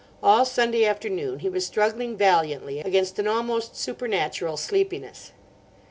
All Sunday afternoon he was struggling valiantly against an almost supernatural sleepiness.